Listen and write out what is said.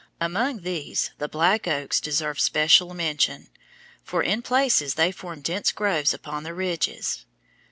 Among these the black oaks deserve special mention, for in places they form dense groves upon the ridges.